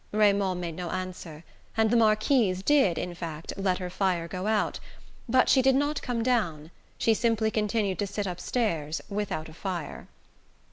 Raymond made no answer, and the Marquise did, in fact, let her fire go out. But she did not come down she simply continued to sit upstairs without a fire.